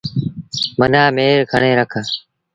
منآن ميٚڻن کڻي رک۔